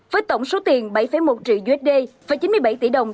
với tổng số tiền bảy một triệu usd và chín mươi bảy tỷ đồng